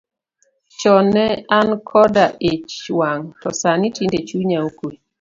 Chon ne an koda ich wang', to sani tinde chuya okwe.